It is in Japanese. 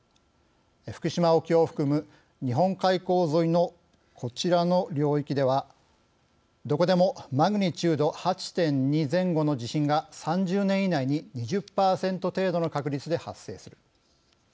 福島沖を含む日本海溝沿いのこちらの領域ではどこでもマグニチュード８．２前後の地震が３０年以内に２０％程度の確率で発生する。